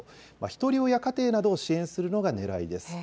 ひとり親家庭などを支援するのがねらいです。